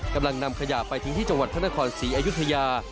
นำขยะไปทิ้งที่จังหวัดพระนครศรีอยุธยา